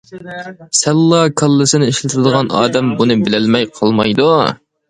سەللا كاللىسىنى ئىشلىتىدىغان ئادەم بۇنى بىلەلمەي قالمايدۇ.